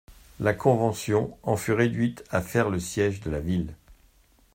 La Convention en fut réduite à faire le siége de la ville.